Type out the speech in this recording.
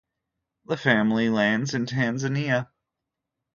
The family lands in Tanzania.